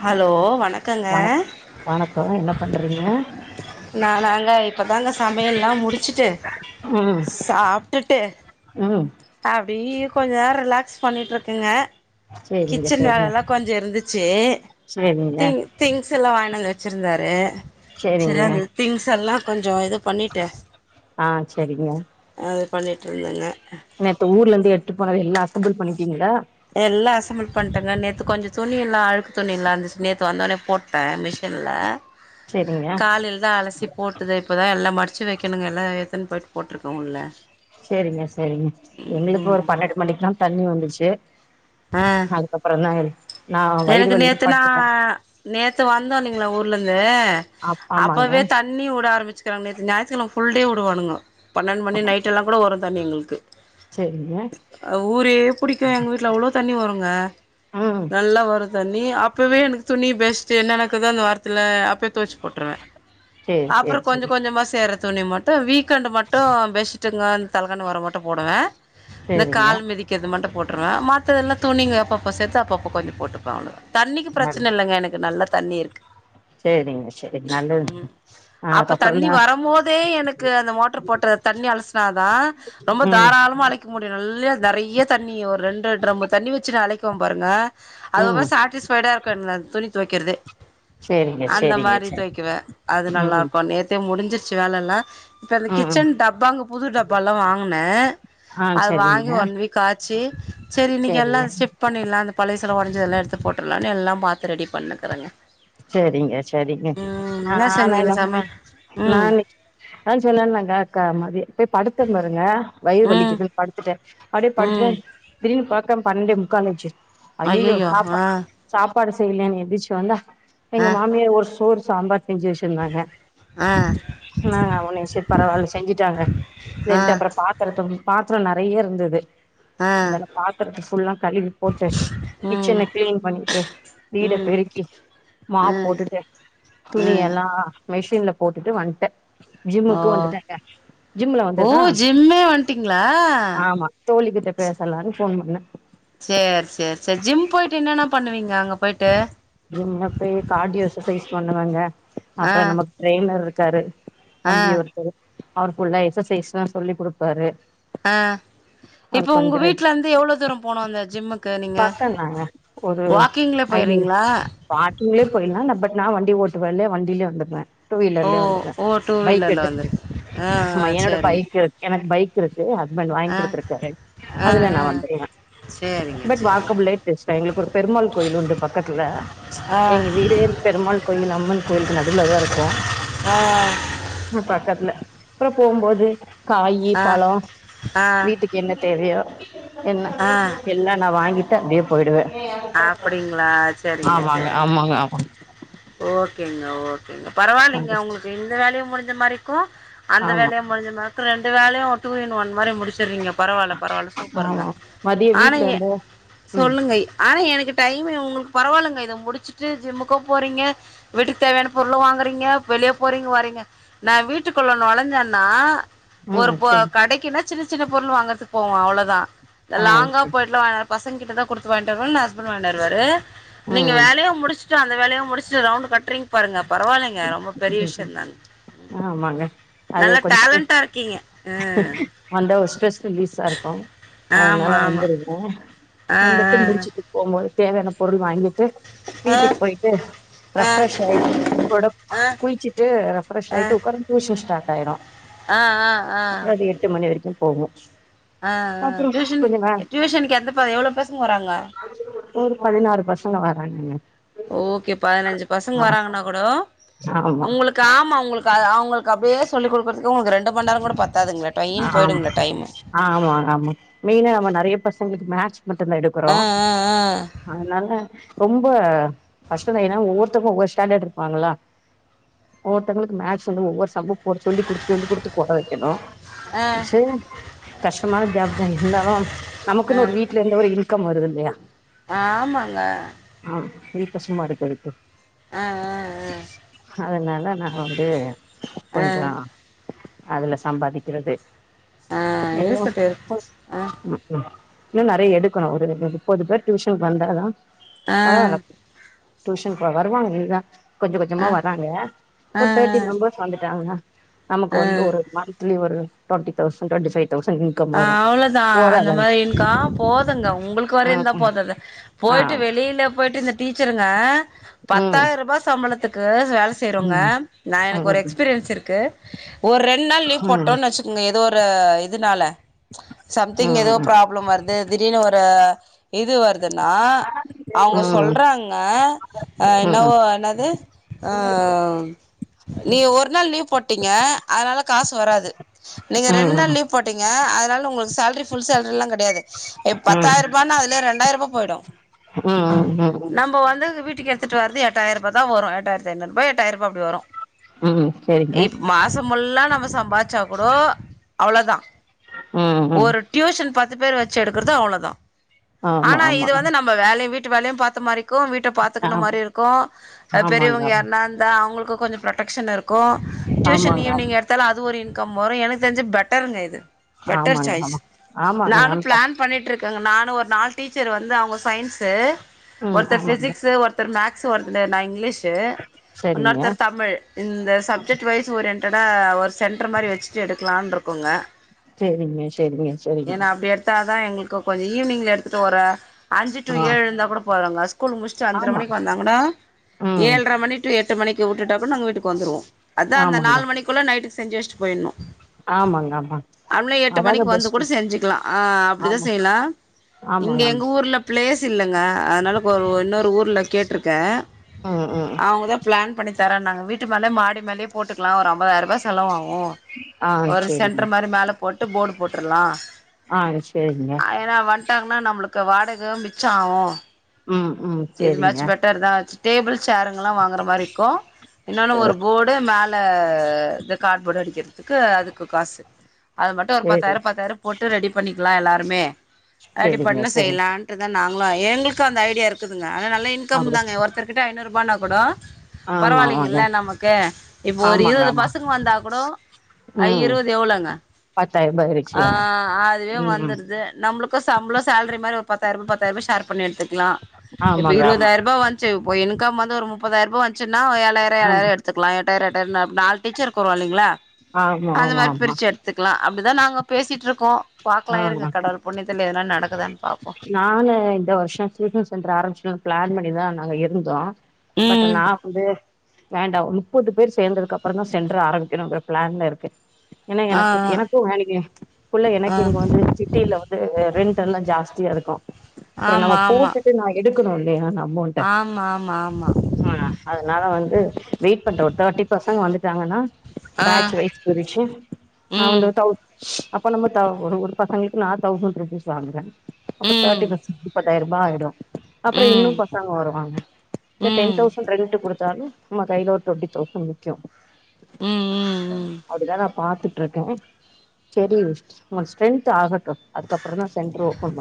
hello வணக்கங்க வணக் வணக்கோ என்ன பண்றீங்க நா நாங்க இப்போ தாங்க சமையெல்லா முடிச்சுட்டு ம் சாப்ட்டுட்டு ம் அப்டிய கொஞ்சோ நேரோ ரிலாக்ஸ் பண்ணிட்டுருக்கங்க சேரிங்க கிச்சன் சேரிங்க வேலெல்லா கொஞ்சோ இருந்துச்சு சேரிங்க திங் திங்ஸெல்லா வாங்கிட்டு வந்து வச்சிருந்தாரு சேரிங்க சரியா திங்ஸெல்லா கொஞ்சே இது பண்ணிட்டு ஆ சேரிங்க அது பண்ணிட்டுருந்தேங்க நேத்து ஊர்லருந்து எடுத்துட்டு போனது எல்ல அசம்புள் பண்ணிட்டீங்ளா எல்லா அசம்பல் பண்ணிட்டங்க நேத்து கொஞ்சோ துணியேல்லா அழுக்கு துணியேல்லா இருந்துச்சு நேத்து வந்தோன்னே போட் ட்ட மிஷின்ல சேரிங்க காலுல் தா அலசி போட்டதே இப்போதா எல்லா மடிச்சு வைக்கணுங்க எல்லா ஏத்துன்னு போயிட்டு போட்டுருக்கே உள்ள சேரிங்க சேரிங்க எங்களுக்கு ஒரு பன்னென்ட்டு மணிக்கெல்லா தண்ணி வந்துருச்சு ஆ அதுக்கப்புறோ தா இருக் எனக்கு நேத்துனா நேத்து வந்தோ இல்லைங்களா ஊர்லருந்து அப் ஆமாங்க அப்பவே தண் ணி உட ஆரம்பச்சிக்கிறாங்க நேத்து ஞாயித்துக்கிழம ஃபுல்டே உடுவானுங்கோ பன்னெண்டு மணி நைட்டெல்லா கூட வரு தண்ணி எங்களுக்கு சேரிங்க ஊரே புடிக்கு எங்க வீட்ல அவ்ளோவு தண்ணி வருங்க ம் நல்லா வரு தண்ணி அப்பவே எனக்கு துணி பெஸ்ட் என்ன எனக்குதோ அந்த வாரத்துல அப்பயே தொவைச்சு போட்டுருவே சேரி சேரி ஆப்புற் கொஞ்ச சேரி கொஞ்சமா சேற துணி மட் டு வீக்கெண்டு் மட்டு பெஷ்ஷுட்டுங்க இந் தலக்காணி ஒர மட்டு போடுவே இன சேரிங்க கால் மிதி க்கிறது மட்டு போட்ருவே அ மாத்ததெல்லா துணிங்க அப்பப்போ சேத்து அப்பப் ப்ப கொஞ்ச போட்டுப்ப அவ்ளதா தண்ணிக்கி நல்ல ப்ரச்சன இல்லங்க எனக்கு நல்லா தண்ணி இருக்கு செரிங்க ஷெரி நல்லதுங் ம் அப்ப தண்ணி வரும் போதே எனக்கு அந்த மோட்டர் போட்ட தண்ணி அலசுனாதா ரொம்ப ம் தாராளமா அழைக் க்கு முடியு நல்லா நெறைய தண்ணி ஒர் ரெண்ட்ர ட்ரம்மு தண்ணி வச்சுன்னு அலைக்கும் பாருங்க அது ஒ மா ம் சாட்டிஸ்ஃபைடா இருக்கு ந துணித்துவைக்கிறதே சேரிங்க அந்த சேரிங்க மாரி சேரி துவைக்குவே அது நல்லா ம் இருக்கு நேத்தே முடிஞ்சிர்ச்சி வேலல்லா இப்ப இந்த ம் ம் கிச்சன் டப்பாங்க புது டப்பால்லா வாங்குனே ஆ அது சரிங்க வாங்கி ஒன் வீக் ஆச்சி சரி இன்னிக்கு எல்லா சேரிங்க ஸ்டெப் பண்ணிட்லா அந்த பழையசல உடைஞ்சதல்லா எடுத்து போட்றுலான்னு எல்லா மாத்து ரெடி பண்ணுக்குறங்க சரிங்க சரிங்க செஞ்சீங்க நானநா சமையல் ம் நானே நா சொன்னேன்லாங் கா கா மதி போய் படுத்தினுருங்க வயிறு ம் வலிக்குதுன் படுத்துட்டே அடியே ம் படுத்துடன் திடீனு பாக்கம் பன்னெண்டே முக்கால் அச்சு அய்யைய்யோ ஐயையோ சாப்பா ஆ சாப்பாடு செய்லேன்னு எந்திர்ச்சு வந்தா ஆ எங்க மாமியார் ஒரு சோற் சாம்பார் செஞ்சு வச்சிருந்தாங்க ஆ நாங்க முனேஷர் பரவால்ல செஞ்சுட்டாங்க ஆ சரின்ட்டு அப்ற பாத் தரத்தும் பாத்ரம் நெறையா இருந்தது ஆ அந்தால்ல பாத்ரத்த ஃபுல்லா கழுவி போட்டு ம் கிச்சன க்ளீன் பண்ணிட்டு வீட ம் பெருக்கி ஆ மாப் போட்டுட்டுதே ஆ துணி எல்லா மெஷின்ல போட்டுட்டு வந்ட்டே ஓ ஜிம்முக்கு வந்துட்டாங்க ஜிம்ல ஓ வந்துதா ஜிம்மே வந்ட்டீங்களா ஆமா தோழி கிட்ட பேசலானு ஃபோன் பண்ண சேர் சேர் சேர் ஜிம் போய்ட்டு என்னென்ன பண்ணுவீங்க அங்க போய்ட்டு ஜிம்ன போய் காடியோ எக்ஸசைஸ் பண்ணுவங்க ஆ அப்ற நமக் ட்ரெய்னர் இருக்காரு ஆ தம்பிய ஒருத்தரு அவர் ஃபுல்லா எக்சசைஸ்லா சொல்லிக் கொடுப்பாரு அ இப்போ உங்க வீட்ல இந்து எவ்ளோ தூரம் போனு அந்த ஜிம்முக் க நீங்க பக்கந்தாங்க வாக்கிங்லே போய்ர்வீங்ளா பார்கிங்ளே போய்லா நா பட் நா வண்டி ஓட்டுவேல வண்டிலே வந்துர்வே டூ ஓ வீலர்லே வந்துர்வே ஓ டூ பைக்கு வீலர்ல எடுத்துட் வந்து ஆ ஹமா ஆ என்னோட சேரி பைக்கு எனக்கு பைக் இருக்கு ஹஸ்பண்ட் வாங்கி ஆ குடுத்துருக்காரு ஆ ஆ அதுல நா வந்துருவே சேரிங்க பட் சேரிங்க வாக்கபுலே பேசுவே எங்களுக்கு ஒரு பெருமாள் கோயில் உண்டு பக்கத்துல ஆ எங்க வீடே பெருமாள் கோயில் அம்மன் கோயிலுக்கு நடுவுல தா இருக்கு ஆ ஹ பக்கத்துல அப்றோ போம்போது காயி ஆ பழோ ஆ வீட்டுக் என்ன தேவையோ என்ன ஆ எல்லா நா வாங்கிட்ட அப்டியே போயிடுவே அப்படிங்களா சேரிங்க ஆமாங்க சேரிங்க ஆமாங்க ஆமா ஓகேங்க ஓகேங்க பரவாயில்லிங்க அது உங்களுக்கு இந்த வேலையு முடிஞ்ச மாரி இருக்கு அந்த ஆமா வேலயாம் கொஞ்ச நேரத்துல ரெண்டு வேலையு டூ இன் ஒன் மாரி முடிச்சிறிங்க பரவால்ல பரவால்ல சூப்பருங்க ஆமா மதிய ஆனா வீட்ல ஏ வந்து ம் சொல்லுங்கய் ஆனா எனக்கு டைம் இவுங்களுக் பரவால்லங்க இத முடிச்சிட்டு ஜிம்முக்கும் போறீங்க வீட்டுக் தேவையான பொருள வாங்குறீங்க வெளிய போறீங்க வரீங்க நா வீட்டுக்குள்ள நொழஞ்சன்னா ஒரு ம் பொ சொல்லு கடைக்குன்னா சின்ன சின்ன பொருள் வாங்கறதுக்கு போவோ அவ்ளதா ஆ லாங்கா சரி போயிட்லா வாஅப் பசங்கிட்ட தா கொடுத்து வாங்கிட்டு வருவே இல்ல ஹஸ்பண்ட் வாய்ன்ட்டு வருவாரு நீங்க ம் வேலையு முடிச்ட்டு அந்த வேலயு முடிச்ட்டு ரவுண்ட் கட்றிங் பாருங்க பரவால்லைங்க ரொம்ப பெரிய ம் ம் விஷயன் தாங் ம் ஆமாங்க அது நல்ல டேலண்டா இருக்கீங்க அ மண்ட ஒரு ஸ்ட்ரெஸ் ரிலீஸா இருக்கு ஆ அதனால ஆமா ஆமா வந்துருவே ஆ வந்துட்டு முடிச்சுட்டு போம்போது தேவையான பொருள் வாங்கி ட்டு ஆ ஆ வீட்டுக்கு போயிட்டு ஆ ரெஃப்ரெஷ் ஆயிட்டு ஒடம் ஆ ஆ குளிச்சிட்டு ரெஃப்ரஷ் ஆயிட்டு உக்கார டியூஷன் ஸ்டார்ட் ஆயிரு ஆ ஆ ஆ அப்புற அது எட்டு மணி வரைக்கும் போகு ஆ ஆ அப்புற டியூஷன் கொஞ்ச நே டியூஷனுக்கு எந்த எவ்ளோ பசங்க வராங்க ஒரு பதினாறு பசங்க வராங்கங்க ஓகே பதனஞ்சு பசங் ஆ வராங்கன்னா கூட ஆமா உங்களுக்கு காம அவ்ங்ளுக்கு அ அவ்ங்களுக்கு அப்டியே சொல்லிக் குடுக்கறதுக்கு உங்களுக்கு ரெண்டு மணி நேரோகூட பத் தாதுங்களே டயின் ஆம் போயிடுங்களே டைம்மு ஆமா ஆமா மெயினா நம்ம நெறைய பசங்ளுக்கு மேக்ஸ் மட்டு தா ஆ எடுக்கறோ ஆ அதனால ரொம்ப கஷ்டந்தா ஏனா ஒவ்வொருத்தக்கு ஒவ்வொரு ஸ்டாண்டர்ட் இருப்பாங்களா ஓவ்வொருத்தங்ளுக்கு மேக்ஸ் வந்து ஒவ்வொரு சம்மு போட சொல்லி குடுத்துட்டு வந்து குடுத்து போட வெக்கணு ஆ சே ஆ கஷ்டமான ஜாப்தா இருந்தாலு ஆ நமக்குன்னு ஒரு வீட் டில இருந்து ஒரு இன்கம் வருது இல்லையா ஆமாங்க ஆ இது கஷ்டமா இருக்கு எனக்கு ஆ ஆ அதனால நா வந்து ஆ ஆ கொஞ்சோ அதுல சம்பாதிக்கிறது ஆ எதோ இருக்கட்டு இருக் கொ ஆ ம் ம் இன்னு நெறைய எடுக்கணு ஒரு முப்பது பேர் டியூஷனுக்கு வந்தாதா ஆ பரவால டியூஷன்குகா வருவாங்க இனிதா கொஞ்ச கொஞ்சமா ஆ வராங்க ஆ ஆ ஒரு தேர்ட்டி மெம்பர் வந்துடாங்கன நமக்கு ஆ வந்து ஒரு மந்த்லி ஒரு twenty thousand twenty five thousand income ஆ வரு அவ்ளோதா அந்த போராதானே மாரிங்க்கா போதுங்க உங்களுக்கு வர ம் இருந்தா ம் போதது ஆ போயிட்டு வெளியில போயிட்டு இந்த டீச்சருங்க ம் பத்தாயிர ரூபா சம்பளத்துக்கு வேல செய்றவுங்க ம் ம் நா எனக்கு ம் ஒரு ம் ம் எக்ஸ்பீரியன்ஸ் இருக்கு ஒரு ரெண் நாள் லீவ் போட்டோன்னு வச்சுக்கோங்க ஏதோ ஒரு இதுனால சம்திங் ஏதோ ம் ப்ராப்ளம் வருது திடீர்னு ஒரு இது வரு துன்னா ம் அவ்ங்க ம் ம் சொல்றாங்க அ என்னவோ என்னது ஆ நீ ஒரு நாள் லீவ் போட்டீங்க அதனால காசு வராது நீங்க ரெண் நாள் லீவ் போட்டீங்க அதனால உங்களுக்கு சேலரி ஃபுல் சேலரில்லா கெடையாது எப் ம் பத்தாயிருபான்னா அதுல ரெண்டாயிரூபா போயிடு ம் ம் நம்ம வந்து அத வீட்டுக்கு எ ட்டு வருது எட்டாயி ரூபா தா வரு எட்டாயிரத்தி ஐநூ ரூப் எட்டாயிர ரூபா அப்டி வரு ம் சரிங்க இ மாசம் ஃபுல்லா நம்ம சம்பாச்சா கூட அவளோதா ம் ம் ஒரு டியூஷன் பத்து பேர் வச்சு எடுக்கறத அவ்ளதா ஆமா ஆனா ஆமா இது வந்து நம் ம வேலையு வீட்டு வேலையு பாத்தா மாரி இக்கு வீட் ட ஆ பாத்துக்குனும் மாரி இருக்கு அ ஆமாங்க பெரியவங்க யாருன்னா இரு ந்தா அவங்களுக்கு கொஞ்சோ ப்ரொடெக்ஷன்ருக்கு ஆமா டியூஷன் ஆமாங்க ஆமா ஈவினிங் எடுத்தாலு அது ஒரு இன்கம் வரு எனக்கு தெரிஞ்சு பெட்டருங்க இது பெட்டர் ஆமாங்க சாய்ஸ் ஆமா ஆமாங்க நானு நானும் பாத் பிளான் பண்ணிட்ருக்காங்க நானு ஒரு நால் டீச்சர் வந்து அவங்க சயின்ஸு ம் ஒருத்தர் ஆமாங்க பிசிக்ஸ் ஒருத் தர் மேக்ஸ் ஒருத்தர் நா இங்கிலீஷு சரிங்க இன்னொருத்தர் தமிழ் இந்த சப்ஜெக்ட் வைஸ் ஓரியன்டடா ஒரு சென்டர் மாரி வச்ட்டு எடுக்கலாம்னு இருக்கோங்க செரிங்க செரி ஏனா அப்டி எடுத்தாதா எங்ளுக் கு கொஞ்ச ஈவினிங்ல எடுத்துட்டு ஒரு அஞ்சு டு ஆ ஏழுருந்தா கூட போதுங்க ஸ்கூல் முடிச் அஞ்சர ஆமா மணிக் வந்தாங்கூடா ம் ஏழர மணி டு எட்டு மணிக்கு வுட்டுட்டா கூட நாங்க வீட்டுக்கு வந்துருவோ அதா அந்த ஆமாங்க நாலுமணிக்குள்ள நைட்டுக் செஞ்சு வச்ட்டு போயிடணு ஆமாங்க ஆமாங் நம்ளே எட்டு மணிக்கு வந்து கூட செஞ்சுக்கலா அ அப்டிதா ஆமா செய்யலா இங்க ஆமாங்க ஆமா எங்க ஊர்ல ப்ளேஸ் இல்லங்க அதனால கொ இன்னொரு ஊர்ல கெட்ருக்கே ம் ம் அவங்க தா பிளான் பண்ணி தரேனாங்க வீட்டு மேலே மாடி மேலேயே போட்டுக்லா ஒரு அம்பதாயிர ரூபா செலவாகு ஓ ஆ ஒரு சரிங்க சென்ட்ரு மாரி மேல போட்டு போர்டு போட்ருலா ஆ சரிங்க ஏனா வன்ட்டாங்ன்னா நம்ளுக்கு வாடக மிச்சாவு ம் ம் இது மச் சரிங்க பெட்டர் தா டேபிள் சேருங்கல்லா வாங்கற மாரிக்கு இன்னொன்னு ஒரு போர்டு மே ல இந்த கார்ட்போர்டு அடிக்றதுக்கு அதுக்கு காசு அது மட்டு ஒரு சரி பத்தாய்ரோ பத்தாய்ரோ போட்டு ரெடி பண்ணிக்லா எல்லாருமே ரெடி சரிங்க பண்ண சரி செய்லான் ட்றதா நாங்ளு எங்ளுக்கு அந்த ஐடியாருக்குதுங்க ஆனா நல்ல இன்கம் அப்படி தாங்க ஒருத்தர்கிட்ட ஐநூறுபானா கூட ஆமா ஆமாங்க பரவாயில்லைங்ல்ல நமக்கு இப்போ ஒரு ஆமாங்க இருவது ஆமா பசங்க வந்தா கூடொ ஆ ம் இருபது எவ்ளோங்க பத்தாயிரூபா ஆ ஆயிருச்சுல்லங்க அதுவே ம் வந்துருது நம்ளுக்கு சம்ப்ளோ சேல்ரி மாரி ஒரு பத்தாய்ரூபா பத்தாய்ரூபா ஷேர் பண்ணி எடுத்துக்லா இப்ப ஆமாங்க ஆமா இருவதாய் ரூபா வன் ச்சு ப்ப இன்கம் வந்து ஒரு முப்பதாயி ரூபா வன்ச்சுனா ஏழாயிரோ ஆமா ஏழாயிரோ எ த்துக்லா எட்டாயிரோ எட்டாயிரொன்னு நால் டீச்சர் இருக்ரோங் இல்லைங்ளா ஆமா அது ஆமா மார் ஆமா பிர்ச்சு எ த்துக்கலா அப்டிதா நாங்க பேசிட்ருக்கோ ஆ பாக்லா இருங்க கடவுள் புண்ணியத்தில்ல எதுனா நடக்குதான் பாப்போ நானு இந்த வர்ஷோ டியூஷன் சென்ட்ருஆரம்பிச்சுர்னு ப்ளான் பண்ணிதா நாங்க இருந்தோ பட்ர ம் நா வந்து வேண்டா ஒர் முப்பது பேர் சேந்ததுக்கப்றோ தா சென்ட்ரு ஆரம்பிக்கணுங்ற ப்ளான்லருக்கே ஏனா ஆ எனக்கு எனக்கு வேலக்கி ஃபுல்லா என்ன ஆ சிட்டில வந்து ரெண்ட் எல்லா ஜாஸ்தியாருக்கு அப்றோ நம்ம ஆமா போட்டுட்டு நா எடுக்கணு இல்லயா ந ஆமாமாமா ஆ அதனால வந்து வெயிட் பண்றே ஒரு தேர்ட்டி பசங்க வந்துட்டாங்கன்னா ஆ பேச் வைஸ் பிரிச்சு ம் அந்த தௌ அப்ப நம்ம தௌ ஒரு ஒரு பசங்ளுக்கு நா தௌசண்ட் ருபீஸ் வாங்குறே அப்ப ம் தேர்டி பசங்க முப்பதாயி ரூபா ஆயிடு அப்றோ இன்னு ம் ம் பசங்க வருவாங்க ப்ப டென் ம் தௌசண்ட் ம் ரெண்ட் குடு த்தாலு நம்ம கைல ஒரு டூவெண்டி தௌசண்ட் நிக்கு ம் ம் அப்டி தா நா பாத்துட்ருக்கே செரி நம்மளுக் ஸ்ட்ரென்த் ஆகட்டு அதுக்கப்றோ தா ச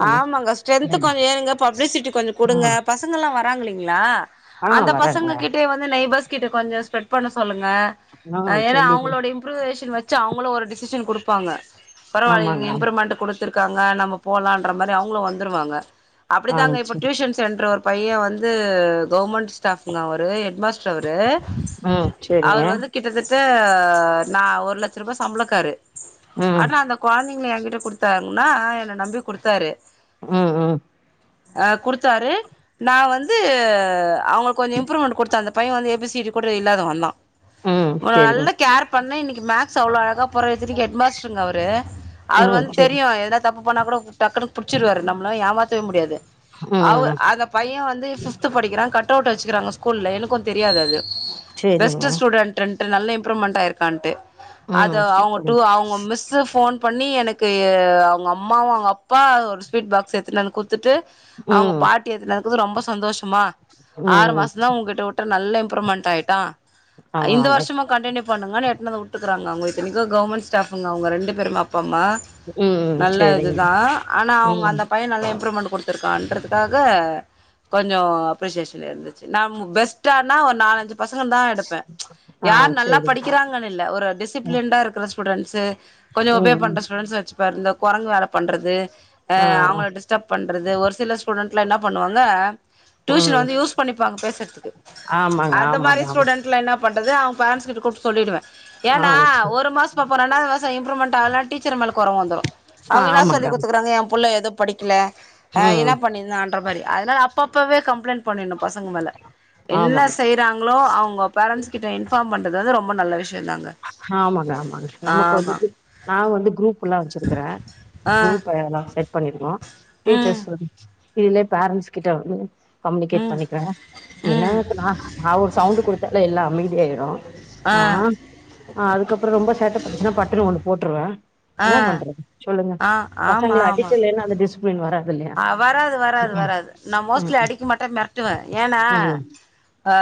ஆமாங்க ஸ்ட்ரென்த் கொஞ்சொ ஏறுங்க பப்ளிசிட்டி கொஞ்சொ குடுங்க ஆ பச ங்கல்லா வராங் இல்லீங்ளா ஆ அந்த வரேங்க பசங்க கிட்டே வந்து நெய்பர்ஸ் கிட்ட கொஞ்சொ ஸ்ப்ரெட் பண்ண சொல்லுங்க ஆ ஏனா சொல்லிரு அவுங்களோட இம்ப்ரூவேஷன் வச்சு அவுங்களு ஒரு டிசிஷன் குடுப்பாங்க பரவால்ல இவுங்க ஆமாங்க இம்ப்ரூவ்மெண்ட் குடு த்துருக்காங்க நம்ம போலான்ற மாரி அவுங்களு வந்துருவாங்க ஆ அப்டித்தாங்க இப்ப சரி டியூஷன்ஸ் சென்ட்ரு ஒரு பையேன் வந்து கவுர்மெண்ட் ஸ்டாஃப்ங்க அவ்ரு ஹெட் மா ச்சவரு ம் சேரிங்க அவர் வந்து கிட்டத்தட் த நா ஒரு லட்சரூபா சம்பளக்காரு ம் ஆனா அந்த கொழந்தைங்கள எகிட்ட குடுத்தாங்ன்னா என்ன நம்பி குடுத்தாரு ம் ம் அ குடுத்தாரு நா வந்து அவுங்களுக்கு கொஞ்சொ இம்ப்ரூவ்மெண்ட் குடுத்த அந்த பையேன் வந்து ஏ பி சி டி கூட இல்லாதவந்தா ம் உ சேரிங்க நல்லா கேர் பண்ணே இன்னக்கி மேக்ஸ் அவ்ளோ அழகா போறா இத்தனிக்கி எட் மாஸ்ட்ருங்க அவரு அவர் ம் வந்து சேரி தெரியு எதுனா தப்பு பண்ணா கூட டக்குனு புடிச்சிருவாரு நம்ளா ஏமாத்தவே முடியாது அவ் ம் அந்த பையேன் வந்து பிஃப்து படிக்கிறா க ட்டோட் வச்சுக்கிறாங்க ஸ்கூல்ல எனக்கு தெரியாது அது சேரிங்க பெஸ்ட்டு ஸ்டூ டெண்ட்டு நல்ல இம்ப்ரூவ்மெண்ட் ஆயிருக்கான்ட்டு அத ம் அவுங்க சூப்பரு டூ அவுங்க மிஸ்ஸு ஃபோன் பண்ணி என க்கு அவுங்க அம்மாவு அவுங்க அப்பா ஒருஸ்வீட் பாக்ஸ் எத்துனு வந்து குத்துட்டு அவுங்க ம் பா ட்டி எனக்கிது ரொம்ப சந்தோஷ் ம்மா ஆறு ம் மாசொ தா உங்கிட்ட விட்டோ நல்ல இம்ப்ரூவ்மெண்ட் ஆய்ட்டா இந்த ஆமாங்க வர்ஷமு கன்டினியூ பண்ணுங்கன் எட்டுனுவந்து வுட்டுக்குறாங்க அவுங்க இத்தனிக்கு கவர்ன்மெண்ட் ஸ்டாஃபுங்க அவுங்க ரெண்டு பேருமே அ ப்பம்மா ம் நல்ல சேரிங்க இதுதா ஆனா அவுங்க ம் அந்த பையேன் நல்லா இம்ப்ரூவ்மெண்ட் குடு த்திருகான்றதுக்காக கொஞ்சம் அப்ரிசியேஷன் இருந்துச்சு நம் பெஸ்ட்டனா ஒரு நாலஞ்சு பசங்க தான் எடுப்பேன் ஆ யார் நல்லா சேரிங்க படிக்கிறாங்கன்னு இல்ல ஒரு டிஸ் ம் டிசிப்ளண்டா இருக்கிற ஸ்டூடெட்ஸ் கொஞ்சம் ஒபே ம் பண்ற ஸ்டடெட்ஸ் வச்சுப்பேன் இந்த குரங்கு வேலை பண்றது ஆ அவங்கள டிஸ்டர்ப் பண்றது ஒரு சில ஸ்டூ ஸ்டுடன்ட்லா என்ன பண்ணுவாங்க டியூஷன் ம் வந்து யூஸ் பண்ணிப்பாங்க பேசுறதுக்கு ஆமாங்க ஆமாங்க ஆமாங் ட்ல என்ன பண்றது அவங்க பேரண்டஸ் கிட்ட கூப்ட்டு சொல்லிடுவேன் ஆ ஏன்னா சே ஒரு மாசம் இப்ப போறனா ரெண்டாவது மாசம் இப்ரூமென்ட் ஆகலனா டீச்சர் மேல கொர வந்துரும் ஆ அவங்க என்ன ஆமாங்க சொல்லி கொடு ஆமா என் புள்ளை ஏதோ படிக்கல என்ன ம் பண்ணியிருந்தான் என்ற மாரி அதனால அப்ப அப்பவே கம்ப்ளைண்ட் பன்னிரனு பசங்க மேல என்ன ஆமாங்க செய்யறாங்களோ அவங்க பேரன்ஸ் கிட்ட இன்ஃபாம் பண்றது வந்து ரொம்ப நல்ல விஷயம் ஆமாங்க ஆமாங்க நமக்கு ஆமா வந்து நான் வந்து குரூப் எல்லாம் வச்சிருக்கறேன் ஆ குரூப்ப எல்லாம் செட் பண்ணிருந்தோம் ம் டீச்சர்ஸ் இதுலயே பேரண்ட்ஸ் கிட்ட வந்து கம்யூனிகேட் ம் பண்ணிக்கிறாங்க என்ன ம் நான் நான் ஒரு சவுண்ட் கொடுத்தாலே எல்லாம் அமைதியாயிறும் ஆ ஆ அதுக்கப்புறம் ரொம்ப சேட்ட பண்ணுச்சுன்னா பட்டுணு ஒண்ணு போட்டுருவேன் ஆ என்ன பண்றது சொல்லுங்க ஆ ஆமா பசங்கள ஆமா அடிக்கலன்னா அது டிஸ் டிஸ்பிளின் வராதுல்லையா ஆ வராது வராது உ வராது நா உம் மோஸ்ட்லி அடிக்க மாட்டே மிரட்டுவே ஏன்னா உம் ஆ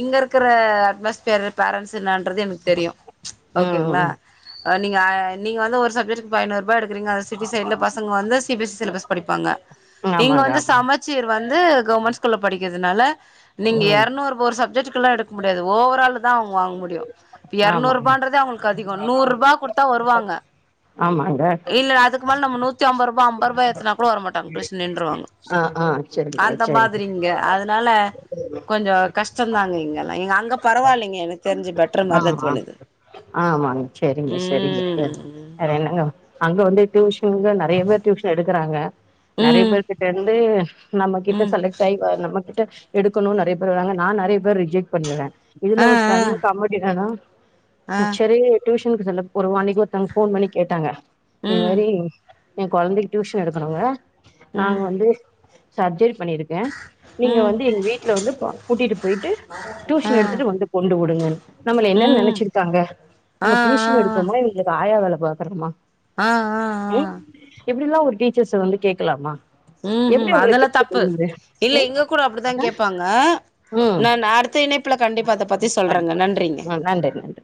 இங்க இருக்கிற அட்மாஸ்பியர் பேரண்ட்ஸ் என்னன்றது எனக்கு தெரியும் ம் ஓகேங்களா ம் நீங்க ஆ நீங்க வந்து ஒரு சப்ஜெக்ட்க்கு இப்ப ஐநூறு ரூபாக்கு எடு எடுகிறீங்க அது சிட்டி சைட்ல பசங்க வந்து சிபிஎஸ் சிலபஸ் படிப்பாங்க இங்க ஆமாங்க வந்து ஆமா சமச் ச்சீர் வந்து கவர்மெண்ட் ஸ்கூல்ல படிக்கிறதுனால நீங்க ம் இருநூறு சஜெக்ட்டுக்கெல்லாம் எடு முடியாது ஓவரால் தான் அவங்க வாங்க முடியும் இப்ப ஆமா இரநூறு ரூபா இன்றதே அவங்களுக்கு அதிகம் நூறு ரூபா கொடுத்தா வருவாங்க ஆமாங்க இல்ல அதுக்கு மேல நம்ம நூத்தி ஐம்பது ரூபா ஐம்பது ரூபா ஏத்துனா கூட வர மாட்டாங்க டியூஷன் நின்றுவாங்க ஆ ஆ சரிங்க அந்த சரிங்க மாதிரிங்க அதனால கொஞ்சம் கஷ்டந்தாங்க இங்கெல்லாம் அங்க பரவாயில்லைங்க எனக்கு தெரிஞ்சு பெட்டர் ஆமா மாரிதா ஆமா தோணுது ஆமாங்க சரிங்க சரிங்க சரி ம் வேற என்னங்க அங்க வந்து டியூஷனு நிறைய பேர் டியூஷன் எடுக்கிறாங்க நிறைய ம் பேர் கிட்ட இருந்து நம்மகிட்ட ம் செலக்ட் ஆயி வ நம்மகிட்ட எடுக்கணும் நிறைய பேர் வர்றாங்க நான் நிறைய பேர் ரிஜெக்ட் பண்ணிறுவேன் இதுல ஆ ஒரு அதான் ஆ ஆ சரி டியூஷனுக்கு சொல்ல அன்னிக்கு ஒருத்தவங்க போன் பண்ணி கேட்டாங்க இது ம் மாதிரி என் குழந்தைக்கு டியூஷன் எடுக்கனோங்க நாங்க ம் வந்து சர்ஜரி பண்ணியிருக்கேன் நீங்க ம் வந்து எங்க வீட்ல வந்து கூட்டிட்டு போய்டிட்டு ஆ டியூஷன் எடுத்துட்டு வந்து கொண்டு விடுங்கன்னு நம்மள என்னன்னு ம் நினைச்சிருக்காங்க ஆ நம்ம ஆ டியூஷன் எடுக்கோமா இவங்களுக்கு ஆயா வேலை பாக்குறோமா ஆ ஆ ஆ எப்டிலாம் ஒரு டீச்சர்ஸ வந்து கேட்கலாமா ம் ஹும் அதெல்லாம் தப்பு இல்ல ம் இங்க கூட அப்டிதான் கேட்பாங்க ம் நான் அடுத்த இணைப்புல கண்டிப்பா அத பத்தி சொல்றேங்க நன்றிங்க ஆ நன்றி நன்றி